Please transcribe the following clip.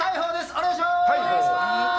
お願いします！